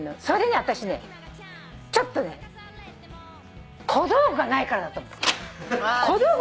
それでね私ねちょっとね小道具がないからだと思う。